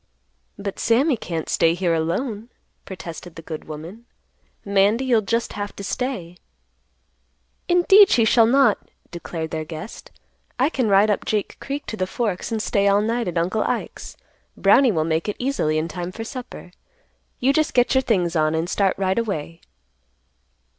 "But Sammy can't stay here alone," protested the good woman. "Mandy, you'll just have to stay." "Indeed, she shall not," declared their guest. "I can ride up Jake Creek to the Forks and stay all night at Uncle Ike's. Brownie will make it easily in time for supper. You just get your things on and start right away."